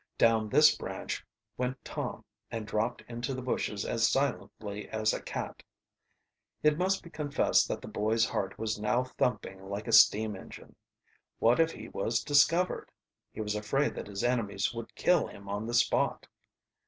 Down this branch went Tom and dropped into the bushes as silently as a cat. It must be confessed that the boy's heart was now thumping like a steam engine. What if he was discovered? He was afraid that his enemies would kill him on the spot.